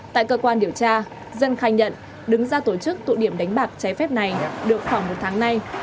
tại cơ quan điều tra dân khai nhận đứng ra tổ chức tụ điểm đánh bạc trái phép này được khoảng một tháng nay